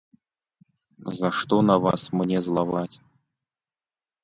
За што на вас мне злаваць.